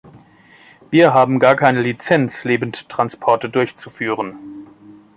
Wir haben gar keine Lizenz, Lebendtransporte durchzuführen.